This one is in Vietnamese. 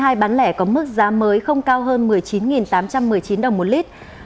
xăng e năm ron chín mươi hai bán lẻ có mức giá mới không cao hơn một mươi chín tám trăm một mươi chín đồng một lít